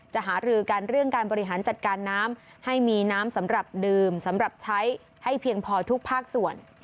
หารือกันเรื่องการบริหารจัดการน้ำให้มีน้ำสำหรับดื่มสำหรับใช้ให้เพียงพอทุกภาคส่วน